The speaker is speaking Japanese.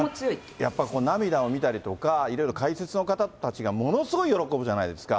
やっぱり涙を見たりとか、いろいろ解説の方とかがものすごい喜ぶじゃないですか。